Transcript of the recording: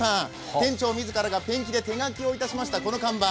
店長自らがペンキで手書きしましたこちらの看板。